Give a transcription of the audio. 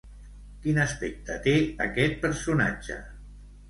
Quin aspecte té aquest personatge?